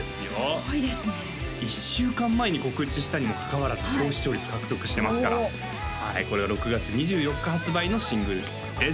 すごいですね１週間前に告知したにもかかわらず高視聴率獲得してますからおおはいこれは６月２４日発売のシングル曲です